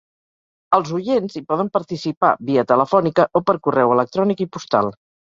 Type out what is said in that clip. Els oients hi poden participar via telefònica o per correu electrònic i postal.